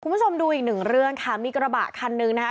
คุณผู้ชมดูอีกหนึ่งเรื่องค่ะมีกระบะคันนึงนะคะ